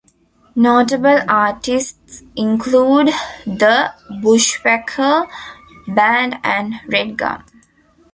Notable artists include The Bushwacker Band and Redgum.